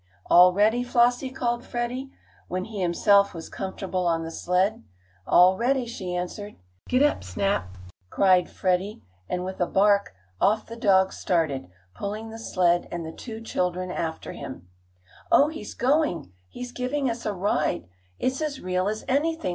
"All ready, Flossie?" called Freddie, when he himself was comfortable on the sled. "All ready," she answered. "Giddap, Snap!" cried Freddie, and, with a bark, off the dog started, pulling the sled and the two children after him. "Oh, he's going! He's giving us a ride! It's as real as anything!"